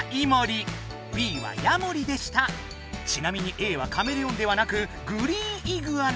ちなみにＡはカメレオンではなくグリーンイグアナ。